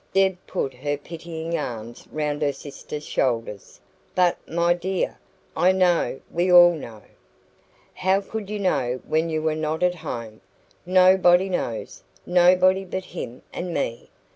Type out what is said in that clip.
Deb put her pitying arms round her sister's shoulders. "But, my dear, I know we all know " "How could you know when you were not at home? Nobody knows nobody but him and me."